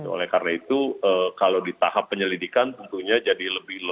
oleh karena itu kalau di tahap penyelidikan tentunya jadi lebih lama